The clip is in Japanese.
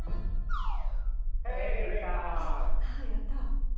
あやった。